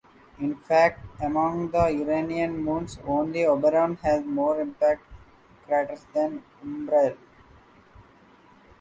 In fact, among the Uranian moons only Oberon has more impact craters than Umbriel.